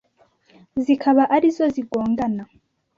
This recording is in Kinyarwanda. zikaba ari zo zigongana